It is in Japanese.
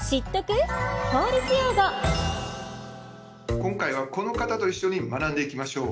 今回はこの方と一緒に学んでいきましょう。